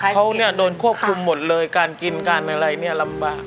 เขาโดนควบคุมหมดเลยการกินการอะไรเนี่ยลำบาก